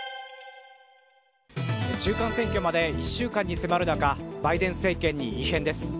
中間選挙まで１週間に迫る中バイデン政権に異変です。